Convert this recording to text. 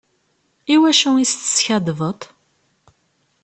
Iwacu i s-teskaddbeḍ?